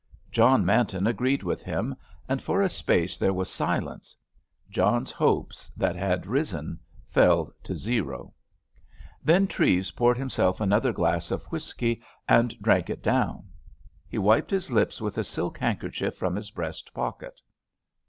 John Manton agreed with him, and for a space there was silence. John's hopes that had risen fell to zero. Then Treves poured himself another glass of whisky, and drank it down. He wiped his lips with a silk handkerchief from his breast pocket.